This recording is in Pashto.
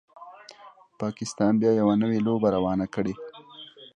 پاکستان بیا یوه نوي لوبه روانه کړي